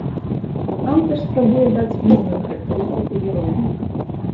Аўтар спрабуе даць моўную характарыстыку героям.